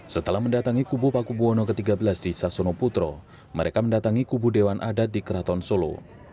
setelah mendatangi kubu pakubuwono xiii di sasono putro mereka mendatangi kubu dewan adat di keraton solo